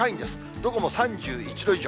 どこも３１度以上。